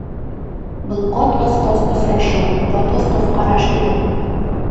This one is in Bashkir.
Был ҡот осҡос осрашыу, ҡот осҡос ҡараш ине.